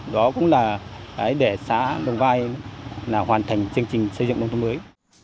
đó cũng là để xã lùng vai hoàn thành chương trình xây dựng nông thôn mới